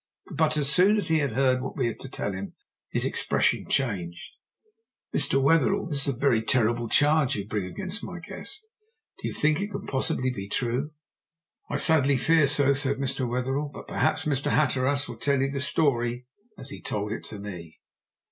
But as soon as he had heard what we had to tell him his expression changed. "Mr. Wetherell, this is a very terrible charge you bring against my guest. Do you think it can possibly be true?" "I sadly fear so," said Mr. Wetherell. "But perhaps Mr. Hatteras will tell you the story as he told it to me."